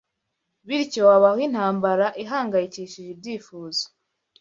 Bityo habaho intambara ihanganyishije ibyifuzo